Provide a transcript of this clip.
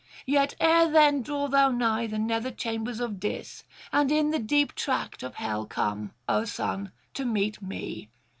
Yet ere then draw thou nigh the nether chambers of Dis, and in the deep tract of hell come, O son, to meet me.